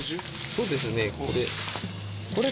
そうですねこれ。